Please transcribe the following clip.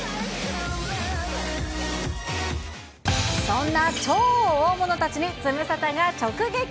そんな超大物たちに、ズムサタが直撃。